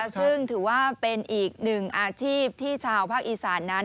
ซึ่งถือว่าเป็นอีกหนึ่งอาชีพที่ชาวภาคอีสานนั้น